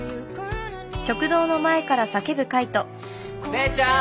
・姉ちゃん！